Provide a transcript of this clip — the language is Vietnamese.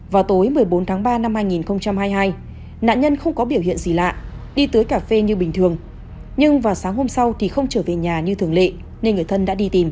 vào tối một mươi bốn tháng ba năm hai nghìn hai mươi hai nạn nhân không có biểu hiện gì lạ đi tưới cà phê như bình thường nhưng vào sáng hôm sau thì không trở về nhà như thường lệ nên người thân đã đi tìm